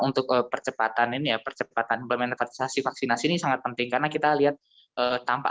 untuk ke percepatan ini ya percepatan implementasi vaksinasi sangat penting karena kita lihat tampak